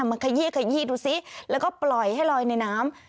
ขยี้ขยี้ดูซิแล้วก็ปล่อยให้ลอยในน้ำ